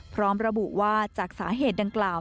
พร้อมระบุว่าจากสาเหตุดังกล่าว